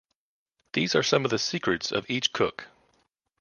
These are some of the secrets of each cook.